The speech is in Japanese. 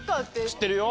知ってるよ。